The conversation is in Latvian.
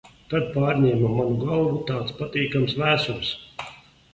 Tad pārņēma manu galvu tāds patīkams vēsums.